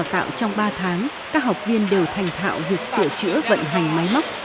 tạo trong ba tháng các học viên đều thành thạo việc sửa chữa vận hành máy móc